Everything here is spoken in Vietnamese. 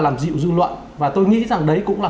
làm dịu dư luận và tôi nghĩ rằng đấy cũng là